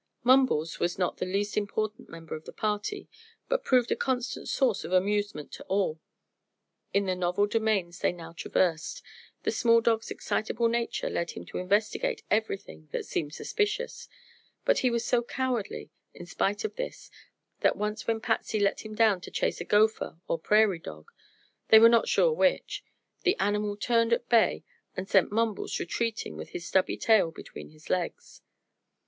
Mumbles was not the least important member of the party, but proved a constant source of amusement to all. In the novel domains they now traversed the small dog's excitable nature led him to investigate everything that seemed suspicious, but he was so cowardly, in spite of this, that once when Patsy let him down to chase a gopher or prairie dog they were not sure which the animal turned at bay and sent Mumbles retreating with his stubby tail between his legs.